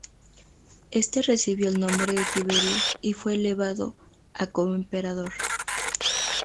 Este recibió el nombre de Tiberio y fue elevado a coemperador.